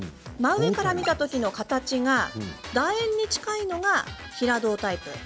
真上から見たときの形がだ円に近いのが平胴タイプ。